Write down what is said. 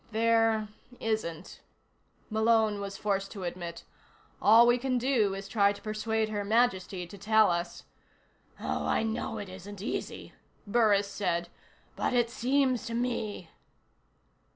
"There isn't," Malone was forced to admit. "All we can do is try to persuade Her Majesty to tell us " "Oh, I know it isn't easy," Burris said. "But it seems to me...."